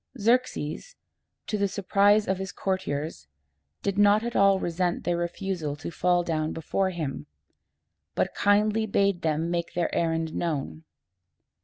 Xerxes, to the surprise of his courtiers did not at all resent their refusal to fall down before him, but kindly bade them make their errand known.